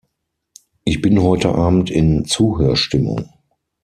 Ich bin heute Abend in Zuhörstimmung.